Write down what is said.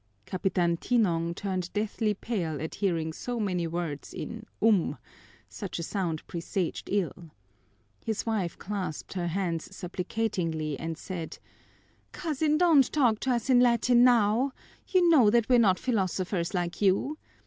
Capitan Tinong turned deathly pale at hearing so many words in um; such a sound presaged ill. His wife clasped her hands supplicatingly and said: "Cousin, don't talk to us in Latin now. You know that we're not philosophers like you.